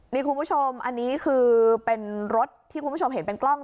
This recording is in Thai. นี่คุณผู้ชมอันนี้คือเป็นรถที่คุณผู้ชมเห็นเป็นกล้อง